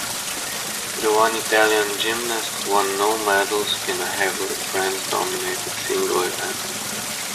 The one Italian gymnast won no medals in a heavily France-dominated single event.